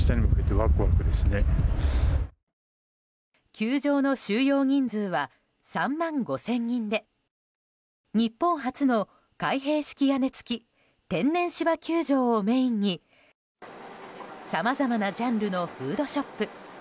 球場の収容人数は３万５０００人で日本初の開閉式屋根付き天然芝球場をメインにさまざまなジャンルのフードショップ